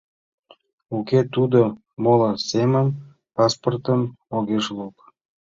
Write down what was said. Уке, тудо моло семын паспортым огеш лук.